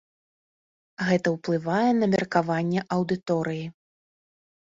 Гэта ўплывае на меркаванне аўдыторыі.